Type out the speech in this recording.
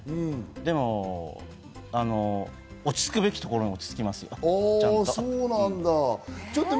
でも落ち着くべきところに落ち着きますよ、ちゃんと。